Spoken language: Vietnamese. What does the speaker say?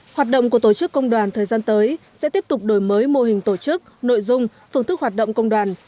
hoạt động của tổ chức công đoàn thời gian tới sẽ tiếp tục đổi mới mô hình tổ chức nội dung phương thức hoạt động công đoàn